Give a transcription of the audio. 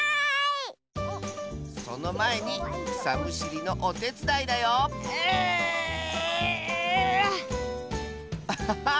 そのまえにくさむしりのおてつだいだようあっ！